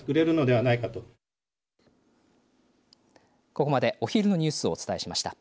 ここまで、お昼のニュースをお伝えしました。